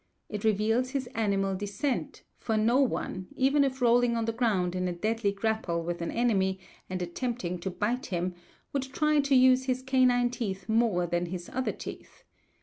It reveals his animal descent; for no one, even if rolling on the ground in a deadly grapple with an enemy, and attempting to bite him, would try to use his canine teeth more than his other teeth.